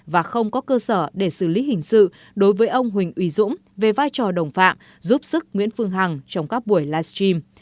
và không có cơ sở để xử lý hình sự đối với ông huỳnh uy dũng về vai trò đồng phạm giúp sức nguyễn phương hằng trong các buổi livestream